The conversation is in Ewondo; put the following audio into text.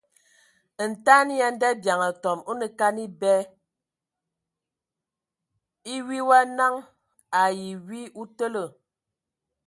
Ntaɛn ya ndabiaŋ atɔm anə kan ebɛ :e wi wa naŋ ai e wi o tələ.